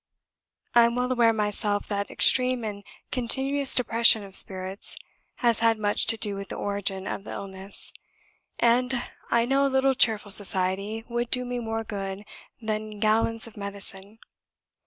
I am well aware myself that extreme and continuous depression of spirits has had much to do with the origin of the illness; and I know a little cheerful society would do me more good than gallons of medicine.